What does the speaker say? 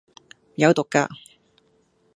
有毒㗎